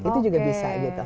itu juga bisa